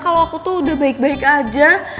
kalau aku tuh udah baik baik aja